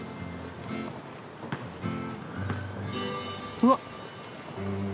うわっ！